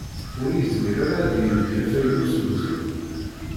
Ur yezmir ara ad d-yeldi afaylu n ugzul.